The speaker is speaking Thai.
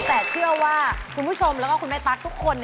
แต่เชื่อว่าคุณผู้ชมแล้วก็คุณแม่ตั๊กทุกคน